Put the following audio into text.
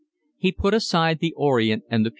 He put aside the Orient and the P.